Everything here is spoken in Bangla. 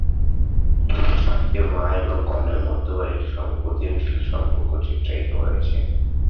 এ ছবিতে মা এবং কন্যার মধ্যকার একটি সংবেদনশীল সম্পর্ক চিত্রায়িত হয়েছে।